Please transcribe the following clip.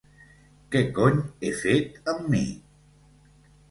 Què cony he fet amb mi?